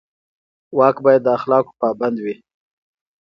واک باید د اخلاقو پابند وي.